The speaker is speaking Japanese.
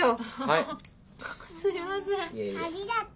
ありがとう。